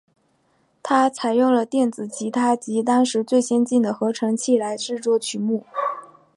它采用了电子吉他及当时最先进的合成器来制作曲目。